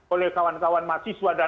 oleh kawan kawan mahasiswa dan